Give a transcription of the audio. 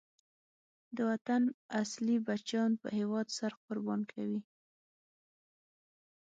د وطن اصلی بچیان په هېواد سر قربان کوي.